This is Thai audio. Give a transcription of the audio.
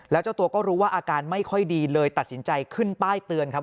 แล้วเจ้าตัวก็รู้ว่าอาการไม่ค่อยดีเลยตัดสินใจขึ้นป้ายเตือนครับ